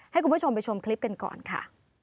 ให้คุณผู้ชมไปชมคลิปกันก่อนค่ะ